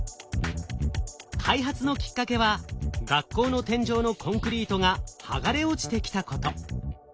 開発のきっかけは学校の天井のコンクリートが剥がれ落ちてきたこと。